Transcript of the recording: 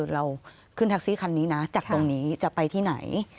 เราขึ้นแท็กซี่คันนี้นะจากตรงนี้จะไปที่ไหน